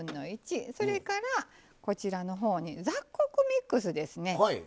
それからこちらの方に雑穀ミックスですね